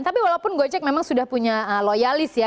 tapi walaupun gojek memang sudah punya loyalis ya